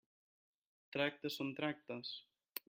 Tractes són tractes.